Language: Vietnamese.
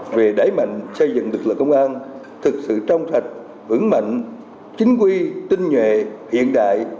về đẩy mạnh xây dựng lực lượng công an thực sự trong sạch vững mạnh chính quy tinh nhuệ hiện đại